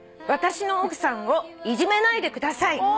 「『私の奥さんをいじめないでください』」